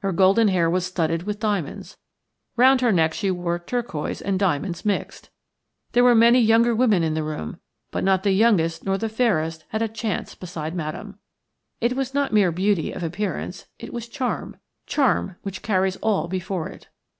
Her golden hair was studded with diamonds. Round her neck she wore turquoise and diamonds mixed. There were many younger women in the room, but not the youngest nor the fairest had a chance beside Madame. It was not mere beauty of appearance, it was charm – charm which carries all before it.